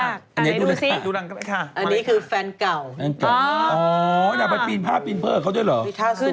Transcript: ก็อันนี้คือกายกรรม